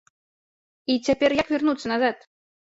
І цяпер як вярнуцца назад?